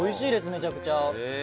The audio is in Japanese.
めちゃくちゃ。